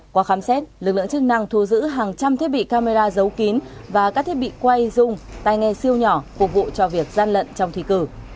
qua khám xét lực lượng chức năng thu giữ hàng trăm thiết bị camera giấu kín và các thiết bị quay dung tay nghe siêu nhỏ phục vụ cho việc gian lận trong thi cử